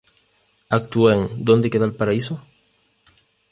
Actuó en "¿Dónde queda el paraíso?